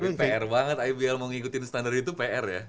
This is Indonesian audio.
tapi pr banget ibl mau ngikutin standar itu pr ya